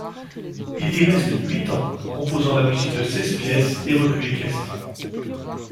Il y reste huit ans, composant la musique de seize pièces et revues équestres.